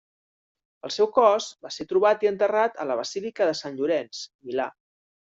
El seu cos va ser trobat i enterrat a la Basílica de Sant Llorenç, Milà.